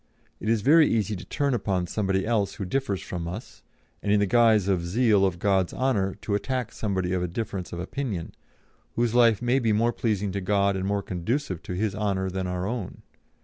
It is very easy to turn upon somebody else who differs from us, and in the guise of zeal of God's honour to attack somebody of a difference of opinion, whose life may be more pleasing to God and more conducive to His honour than our own.